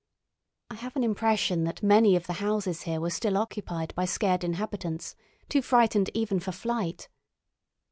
I have an impression that many of the houses here were still occupied by scared inhabitants, too frightened even for flight.